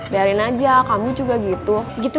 biarin aja kamu juga gitu gitu